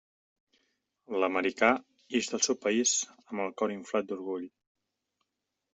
L'americà ix del seu país amb el cor inflat d'orgull.